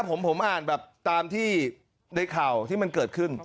ผมอ่านแบบตามที่ในข่าวที่มันเกิดขึ้น